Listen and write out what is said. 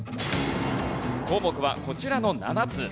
項目はこちらの７つ。